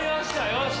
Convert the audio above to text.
よし！